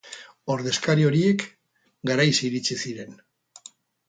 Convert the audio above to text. Ordezkari horiek garaiz iritsi ziren.